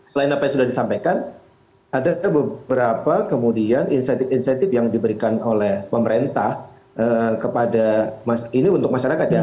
selain apa yang sudah disampaikan ada beberapa kemudian insentif insentif yang diberikan oleh pemerintah kepada ini untuk masyarakat ya